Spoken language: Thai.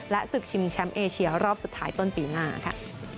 ศึกชิงแชมป์เอเชียรอบสุดท้ายต้นปีหน้าค่ะ